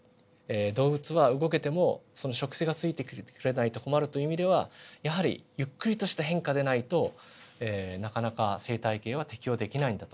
動物は動けてもその植生がついてきてくれないと困るという意味ではやはりゆっくりとした変化でないとなかなか生態系は適応できないんだと思います。